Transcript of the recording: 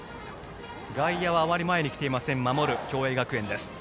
外野はあまり前に来ていません守る共栄学園です。